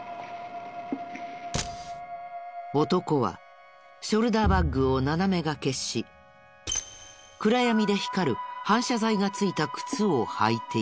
男はショルダーバッグを斜めがけし暗闇で光る反射材が付いた靴を履いている。